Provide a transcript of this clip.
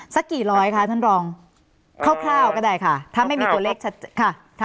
สักกี่ร้อยคะท่านรองคร่าวก็ได้ค่ะถ้าไม่มีตัวเลขชัดค่ะ